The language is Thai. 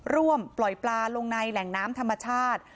ร่วมปล่อยปลาลงในแหล่งน้ำธรรมชาติ